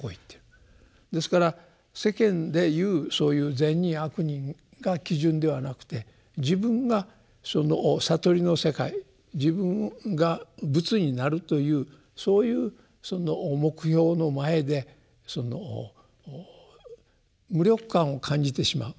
ですから世間で言うそういう「善人」「悪人」が基準ではなくて自分がその悟りの世界自分が仏になるというそういうその目標の前で無力感を感じてしまう。